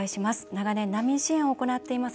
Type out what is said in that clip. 長年難民支援を行っています